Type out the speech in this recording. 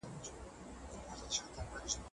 په کورنۍ روزنه کې د چا شخصیت نه خرابېږي.